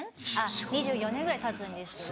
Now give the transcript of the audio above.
２４年ぐらいたつんですけど。